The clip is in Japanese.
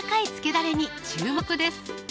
だれに注目です